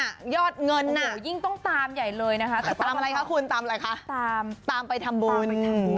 นั่งยอดเงินน่ะจริงต้องตามใหญ่เลยแล้วก็ตามอะไรค่ะคุณตามอะไรคะตามตามไปทำบุญ